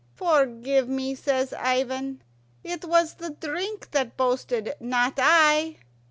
"Forgive me," says Ivan; "it was the drink that boasted, not I."